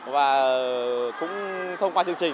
và cũng thông qua chương trình